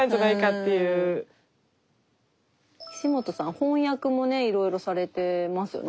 翻訳もねいろいろされてますよね。